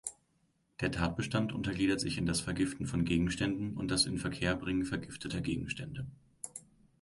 Der Tatbestand untergliedert sich in das Vergiften von Gegenständen und das Inverkehrbringen vergifteter Gegenstände.